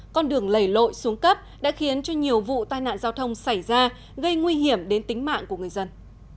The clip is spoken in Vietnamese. con đường lẩy lội xuống cấp đã khiến cho nhiều vụ tai nạn giao thông xảy ra gây nguy hiểm đến tính mạng của người dân